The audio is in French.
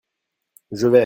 Je vais.